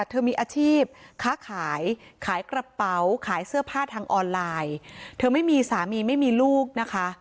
เธอมีอาชีพค้าขายขายกระเป๋าขายเสื้อผ้าทางออนไลน์เธอไม่มีสามีไม่มีลูกนะคะ